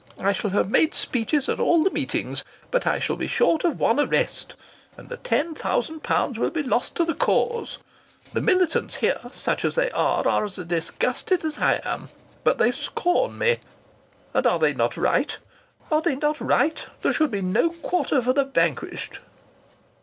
I shall have made speeches at all the meetings. But I shall be short of one arrest. And the ten thousand pounds will be lost to the cause. The militants here such as they are are as disgusted as I am. But they scorn me. And are they not right? Are they not right? There should be no quarter for the vanquished."